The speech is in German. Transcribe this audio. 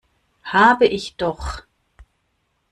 Habe ich doch!